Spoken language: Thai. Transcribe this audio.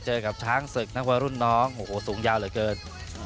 เจอกับช้างศึกนักมวยรุ่นน้องโอ้โหสูงยาวเหลือเกิน